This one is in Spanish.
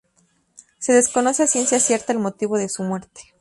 Se desconoce a ciencia cierta el motivo de su muerte.